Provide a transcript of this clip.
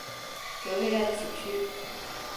则位在此区。